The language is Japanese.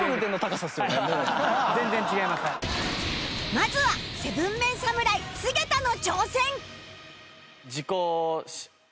まずは ７ＭＥＮ 侍菅田の挑戦と思います。